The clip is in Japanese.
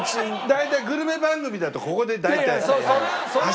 大体グルメ番組だとここで大体。